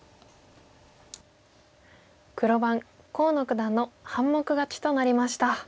黒番河野九段の半目勝ちとなりました。